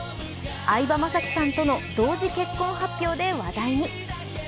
相葉雅紀さんとの同時結婚発表で話題に。